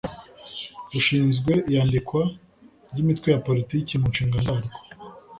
rushinzwe iyandikwa ry’ imitwe ya politiki mu nshingano zarwo.